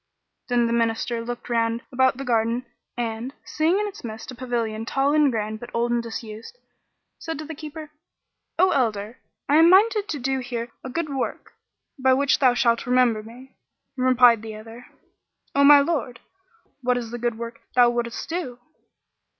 Then the Minister looked round about the garden and, seeing in its midst a pavilion tall and grand but old and disused, said to the keeper, "O elder, I am minded to do here a good work, by which thou shalt remember me. Replied the other, "O my lord, what is the good work thou wouldest do?"